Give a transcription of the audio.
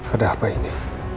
ada apa ini